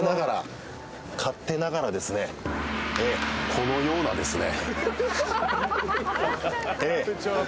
このようなですね。